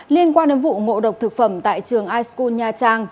liên quan đến vụ mộ độc thực phẩm tại trường ischool nha trang